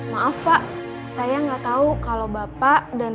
maaf pak saya gak tahu kalau bapak dan